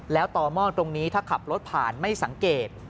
แล้วต่อหม้อตรงนี้ถ้าขับรถผ่านไม่สังเกต